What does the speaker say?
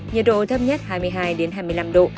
nhiệt độ thấp nhất hai mươi hai hai mươi năm độ